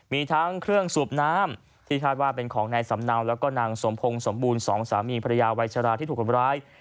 มีทั้งเครื่องสูบน้ำที่คาดว่าเป็นของนายสำเนาแล้วก็นางสมพงศ์สมบูรณ์สองสามีภรรยาวัยชราที่ถูกทำร้าย